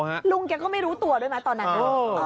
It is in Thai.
จริงจริงรุงแกก็ไม่รู้ตัวปะตอนหนังนี้